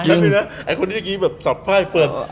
ครับนะไอ้คนที่เมื่อกี้แบบสอบไพ่เปิด